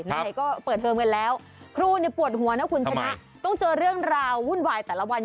นะเฮ้ยก็เปิดเทอมกันแล้วครูปวดหัวนะคุณคณะต้องเจอเรื่องราวหุ้นวายแต่ละวัน